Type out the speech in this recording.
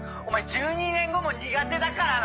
１２年後も苦手だからな！